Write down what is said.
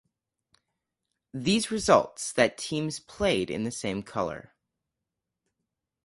These results that teams played in the same color.